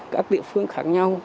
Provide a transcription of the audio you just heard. các địa phương khác nhau